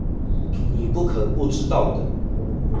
你不可不知道的